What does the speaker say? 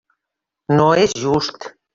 No és just.